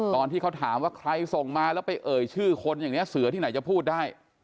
ตอนที่เขาถามว่าใครส่งมาแล้วไปเอ่ยชื่อคนอย่างนี้เสือที่ไหนจะพูดได้